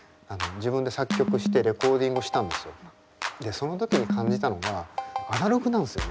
その時に感じたのがアナログなんすよね。